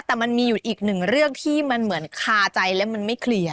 แต่มันมีอยู่อีกหนึ่งเรื่องที่มันเหมือนคาใจและมันไม่เคลียร์